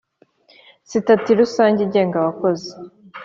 sitati rusange igenga abakozi